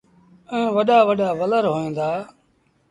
ائيٚݩ وڏآ وڏآ ولر هوئين دآ۔